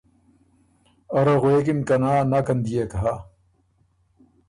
اره غوېکِن که ”نا نکن دئېک هۀ“